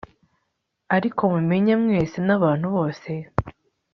ariko mumenye mwese n abantu bose